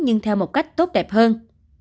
nhưng theo một cách tốt đẹp hơn